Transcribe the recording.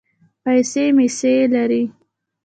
پیسې مېسې لرې.